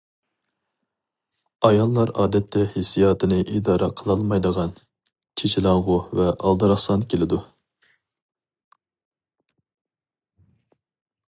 ئاياللار ئادەتتە ھېسسىياتىنى ئىدارە قىلالمايدىغان، چېچىلاڭغۇ ۋە ئالدىراقسان كېلىدۇ.